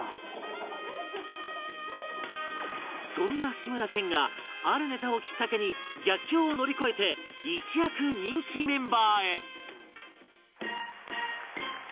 そんな志村けんがあるネタをきっかけに逆境を乗り越えて一躍人気メンバーへ